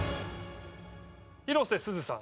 広瀬すずさん